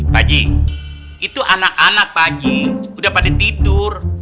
pak haji itu anak anak pak haji udah pada tidur